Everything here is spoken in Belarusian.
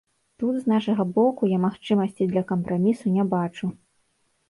Тут з нашага боку я магчымасці для кампрамісу не бачу.